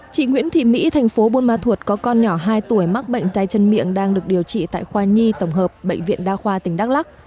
chị nguyễn thị mỹ thành phố buôn ma thuột có con nhỏ hai tuổi mắc bệnh tay chân miệng đang được điều trị tại khoa nhi tổng hợp bệnh viện đa khoa tỉnh đắk lắc